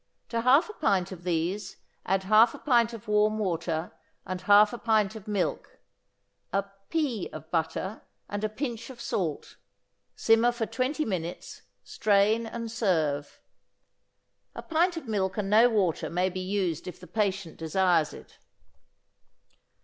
To half a pint of these, add half a pint of warm water and half a pint of milk, a "pea" of butter, and a pinch of salt; simmer for twenty minutes; strain and serve. A pint of milk and no water may be used if the patient desires it.